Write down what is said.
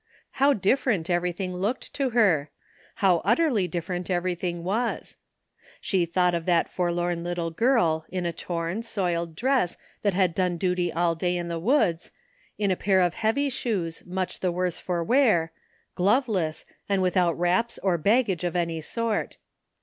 How different everything looked to her; how utterly different everything was. She thought of that forlorn little girl, in a torn, soiled dress that had done duty all day in the woods, in a pair of heavy shoes much the worse for wear, gloveless, and without wraps or bag gage of any sort.